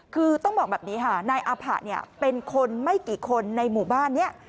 คือต้องบอกแบบนี้ค่ะนายอาผะเนี่ยเป็นคนไม่กี่คนในหมู่บ้านนี้